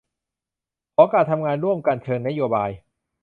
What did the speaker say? ของการทำงานร่วมกันเชิงนโบาย